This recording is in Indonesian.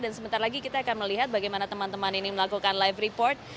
dan sebentar lagi kita akan melihat bagaimana teman teman ini melakukan live report